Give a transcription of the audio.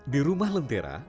di rumah lentera